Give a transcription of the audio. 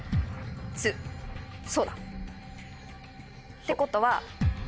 そうだ！ってことは。